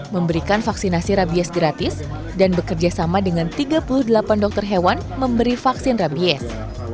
memberikan vaksinasi rabies gratis dan bekerja sama dengan tiga puluh delapan dokter hewan memberi vaksin rabies